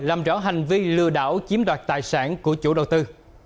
làm rõ hành vi lừa đảo chiếm đoạt tài sản của chủ đầu tư